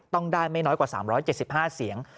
ต้องได้ไม่น้อยกว่า๓๗๕เสียง